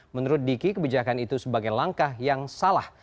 menurut diki kebijakan itu sebagai langkah yang salah